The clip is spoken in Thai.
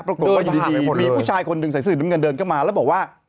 ปรากฏว่าอยู่ดีมีผู้ชายคนหนึ่งใส่เสื้อน้ำเงินเดินเข้ามาแล้วบอกว่า